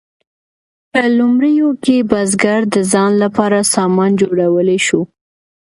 په لومړیو کې بزګر د ځان لپاره سامان جوړولی شو.